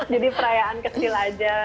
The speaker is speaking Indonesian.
jadi perayaan kecil aja